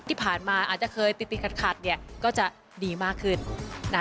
ที่ผ่านมาอาจจะเคยติดขัดเนี่ยก็จะดีมากขึ้นนะคะ